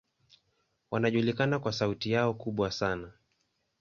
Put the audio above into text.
Wanajulikana kwa sauti yao kubwa sana.